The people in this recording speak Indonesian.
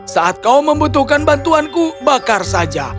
saat kau membutuhkan bantuanku bakar saja